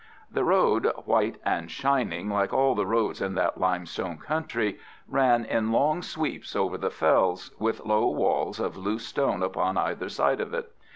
The road, white and shining, like all the roads in that limestone country, ran in long sweeps over the fells, with low walls of loose stone upon either side of it.